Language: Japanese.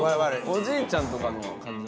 おじいちゃんの感じ。